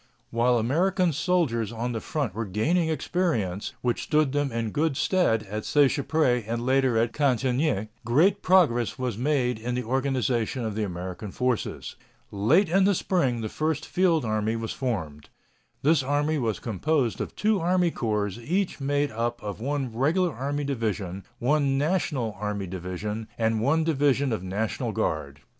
While American soldiers on the front were gaining experience, which stood them in good stead at Seicheprey and later at Cantigny, great progress was made in the organization of the American forces. Late in the spring the first field army was formed. This army was composed of two army corps each made up of one Regular Army division, one National Army division, and one division of National Guard.